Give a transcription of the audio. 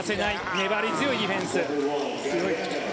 粘り強いディフェンス。